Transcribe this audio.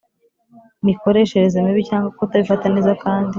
Mikoreshereze mibi cyangwa kutabifata neza kandi